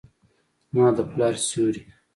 زما د پلار سیوري ،